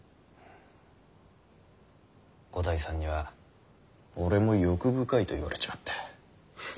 五代さんには俺も欲深いと言われちまったハハ。